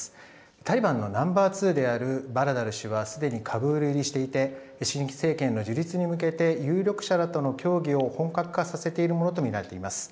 タリバンのナンバーツーであるバラダル師はすでにカブール入りしていて新政権の樹立に向けて有力者らと協議を本格化させるものとみられています。